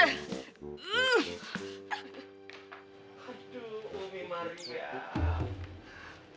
aduh umi marian